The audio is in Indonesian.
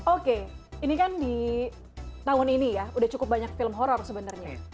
oke ini kan di tahun ini ya udah cukup banyak film horror sebenarnya